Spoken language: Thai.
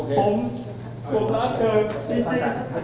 ผมสวัสดีค่ะ